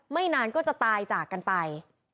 นานก็จะตายจากกันไป